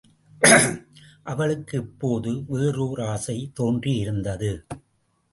அவளுக்கு இப்போது வேறு ஒர் ஆசை தோன்றி யிருந்தது.